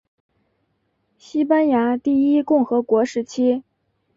西班牙第一共和国时期。